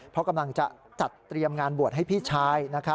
เพราะกำลังจะจัดเตรียมงานบวชให้พี่ชาย